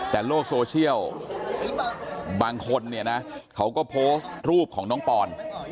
แต่โลกโซเชียลบางคนเนี่ยนะเขาก็โพสต์รูปของน้องปอน